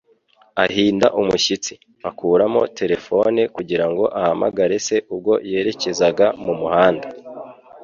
Ahinda umushyitsi, akuramo terefone kugira ngo ahamagare se ubwo yerekezaga mu muhanda.